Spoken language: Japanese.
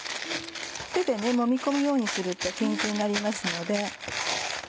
手でもみ込むようにすると均一になりますので。